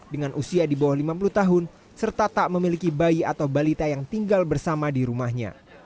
dengan usia di bawah lima puluh tahun serta tak memiliki bayi atau balita yang tinggal bersama di rumahnya